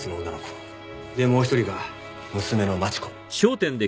でもう１人が娘の真智子。